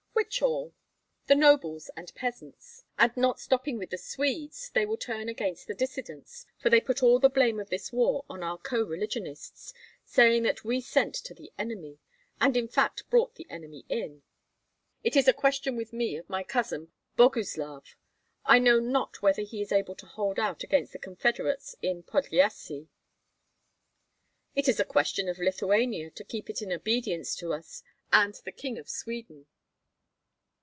"Which all?" "The nobles and peasants. And not stopping with the Swedes, they will turn against the dissidents, for they put all the blame of this war on our co religionists, saying that we sent to the enemy, and in fact brought the enemy in." "It is a question with me of my cousin Boguslav. I know not whether he is able to hold out against the confederates in Podlyasye." "It is a question of Lithuania to keep it in obedience to us and the King of Sweden."